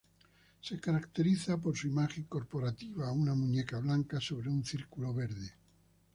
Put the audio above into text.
Se caracteriza por su imagen corporativa: una muñeca blanca sobre un círculo verde.